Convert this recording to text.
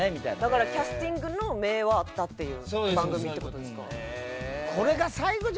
だからキャスティングの目はあったっていう番組って事ですか。